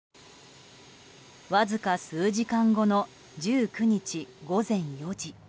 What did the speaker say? わずか数時間後の１９日午前４時。